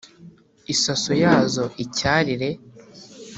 isaso yazo icyarire